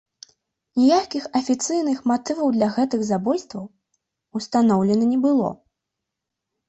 Ніякіх афіцыйных матываў для гэтых забойстваў ўстаноўлена не было.